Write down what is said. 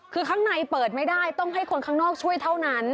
คือข้างในเปิดไม่ได้ต้องให้คนข้างนอกช่วยเท่านั้น